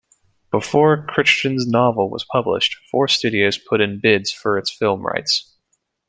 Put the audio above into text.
Before Crichton's novel was published, four studios put in bids for its film rights.